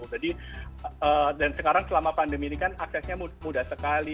jadi dan sekarang selama pandemi ini kan aksesnya mudah sekali